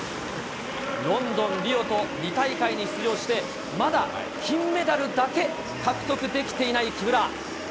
ロンドン、リオと２大会に出場して、まだ金メダルだけ獲得できていない木村。